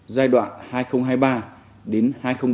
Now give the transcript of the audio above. giai đoạn hai nghìn hai mươi ba đến hai nghìn ba mươi